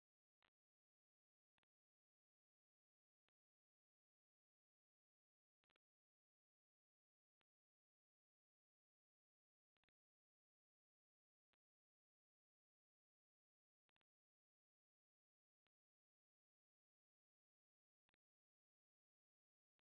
Los análisis de viabilidad financiera pueden ser de carácter previo, simultáneo o prolongado.